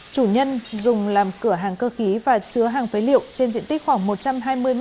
chủ nhân dùng làm cửa hàng cơ khí và chứa hàng phế liệu trên diện tích khoảng một trăm hai mươi m hai